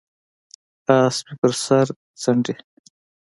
اس مې سر څنډي،